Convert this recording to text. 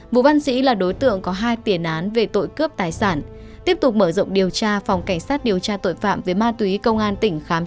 vũ văn sĩ là đối tượng có hai tiền án về tội cướp tài sản tiếp tục mở rộng điều tra phòng cảnh sát điều tra tội phạm về ma túy công an tỉnh khám xét